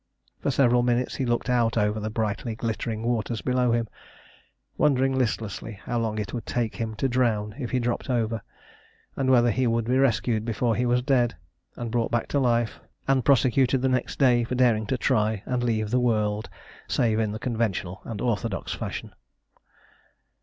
For several minutes he looked out over the brightly glittering waters below him, wondering listlessly how long it would take him to drown if he dropped over, and whether he would be rescued before he was dead, and brought back to life, and prosecuted the next day for daring to try and leave the world save in the conventional and orthodox fashion.